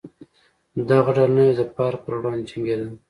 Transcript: دغه ډله نه یوازې د فارک پر وړاندې جنګېده.